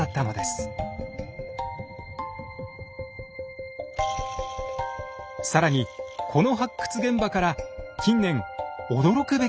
更にこの発掘現場から近年驚くべきものが見つかりました。